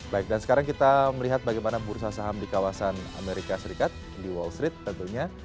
baik dan sekarang kita melihat bagaimana bursa saham di kawasan amerika serikat di wall street tentunya